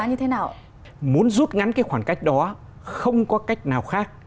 chính xác như vậy muốn rút ngắn cái khoảng cách đó không có cách nào khác